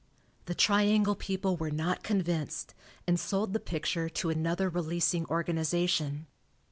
The Triangle people were not convinced, and sold the picture to another releasing organization.